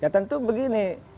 ya tentu begini